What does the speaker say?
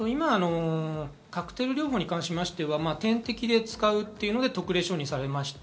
カクテル療法に関しては点滴で使うというので特例承認されてます。